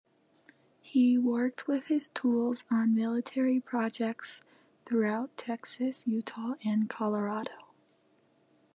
He worked with his tools on military projects throughout Texas, Utah and Colorado.